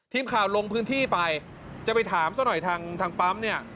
ทีมข่าวลงพื้นที่ไปจะไปถามซะหน่อยทางปั๊มเนี่ย